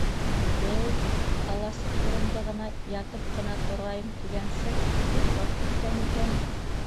Бә-әй, аласыҡ урындығына ятып ҡына торайым тигәнсе йоҡлап киткән икән.